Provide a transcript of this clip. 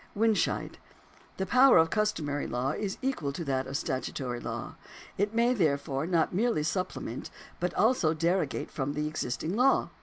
80 Windscheid :^" The power of customary law is equal to that of statutory law. It may, therefore, not merely supple ment, but also derogate from the existing law.